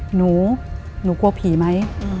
หนูหนูกลัวผีไหม